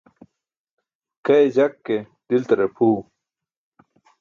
Kaye jak ke, diltarar pʰuu.